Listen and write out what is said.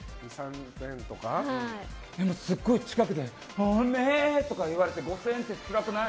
すごい近くで言われて５０００円ってつらくない？